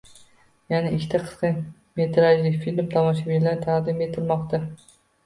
Yana ikkita qisqa metrajli film tomoshabinlarga taqdim etilmoqda